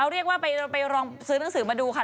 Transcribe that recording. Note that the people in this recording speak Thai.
เรียกว่าไปลองซื้อหนังสือมาดูค่ะ